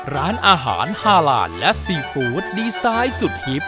ร้านอาหารฮาลานและซีฟู้ดดีไซน์สุดฮิป